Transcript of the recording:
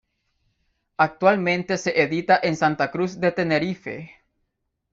Actualmente se edita en Santa Cruz de Tenerife.